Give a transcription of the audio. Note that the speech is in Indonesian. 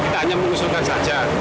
kita hanya mengusulkan saja